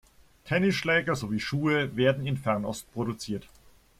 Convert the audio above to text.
Tennisschläger sowie -schuhe werden in Fernost produziert.